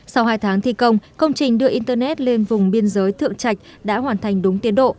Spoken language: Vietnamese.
sau hai tháng thi công công trình đưa internet lên vùng biên giới thượng trạch đã hoàn thành đúng tiến độ